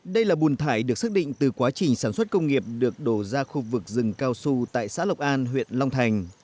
đây là bùn thải được xác định từ quá trình sản xuất công nghiệp được đổ ra khu vực rừng cao su tại xã lộc an huyện long thành